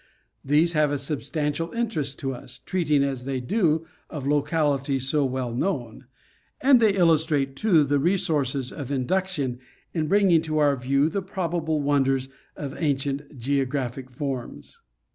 These have a substantial interest to us, treating as they do of localities so well known ; and they illustrate, too, the resources of induction in bringing to our view the probable wonders of ancient geographic forms.